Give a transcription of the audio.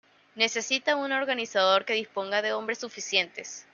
Necesita un organizador que disponga de hombres suficientes.